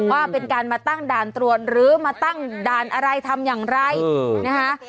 ว่าเป็นการมาตั้งด่านตรวจหรือมาตั้งด่านอะไรทำอย่างไรนะคะ